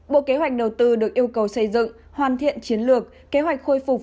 bộ kế hoạch đầu tư được yêu cầu xây dựng hoàn thiện chiến lược kế hoạch khôi phục